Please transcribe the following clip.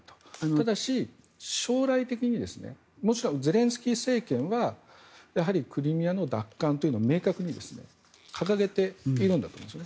ただし、将来的にゼレンスキー政権はクリミアの奪還というのを明確に掲げているんだと思います。